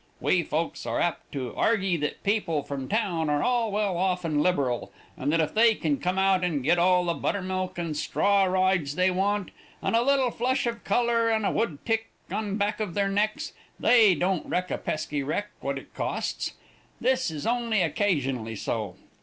We folks are apt to argy that people from town are all well off and liberal, and that if they can come out and get all the buttermilk and straw rides they want, and a little flush of color and a wood tick on the back of their necks, they don't reck a pesky reck what it costs. This is only occasionly so.